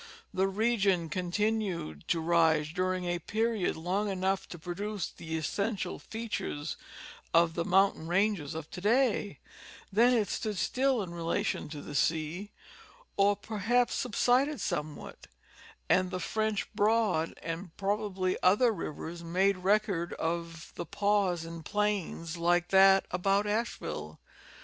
The region continued to rise during a period long enough to produce the essential features of the mountain ranges of to day ; then it stood still in relation to the sea or perhaps subsided somewhat, and the French Broad and probably other rivers made record of the pause in plains like that about Asheville.